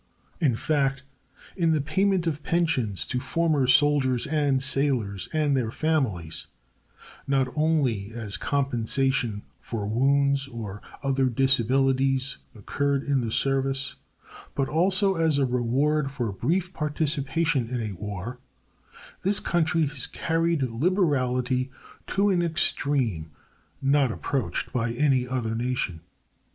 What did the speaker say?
In fact, in the payment of pensions to former soldiers and sailors, and their families, not only as compensation for wounds or other disabilities incurred in the service, but also as a reward for brief participation in a war, this country has carried liberality to an extreme not approached by any other nation.